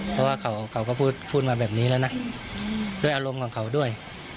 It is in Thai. เพราะว่าเขาก็พูดมาแบบนี้แล้วนะด้วยอารมณ์ของเขาด้วย